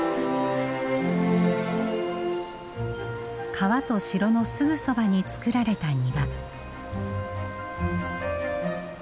川と城のすぐそばに作られた庭。